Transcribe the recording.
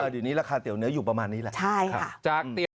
อันนี้ราคาเตี๋ยวเนื้ออยู่ประมาณนี้แหละใช่ค่ะจากเตี๋ยวเนื้อ